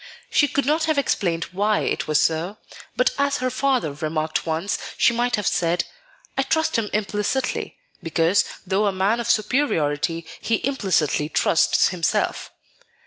She could not have explained why it was so; but as her father remarked once, she might have said, "I trust him implicitly, because, though a man of superiority, he implicitly trusts himself."